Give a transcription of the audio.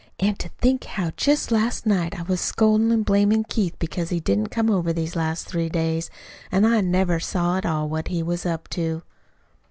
"An' to think how just last night I was scoldin' an' blamin' Keith because he didn't come over these last three days. An' I never saw at all what he was up to."